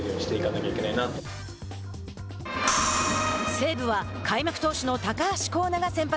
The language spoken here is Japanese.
西武は開幕投手の高橋光成が先発。